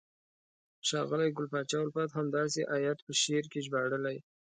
ښاغلي ګل پاچا الفت همدغه آیت په شعر کې ژباړلی: